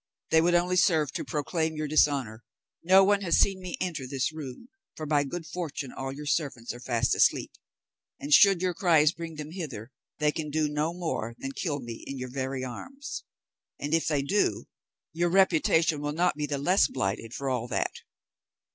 they would only serve to proclaim your dishonour; no one has seen me enter this room, for by good fortune all your servants are fast asleep, and should your cries bring them hither, they can do no more than kill me in your very arms; and if they do, your reputation will not be the less blighted for all that.'